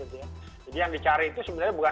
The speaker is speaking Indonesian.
jadi yang dicari itu sebenarnya bukan